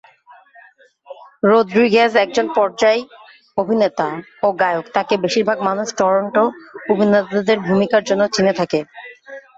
Rodriguez একজন পর্যায় অভিনেতা ও গায়ক, তাকে বেশিরভাগ মানুষ টরন্টো অভিনেতাদের ভূমিকার জন্য চিনে থাকে।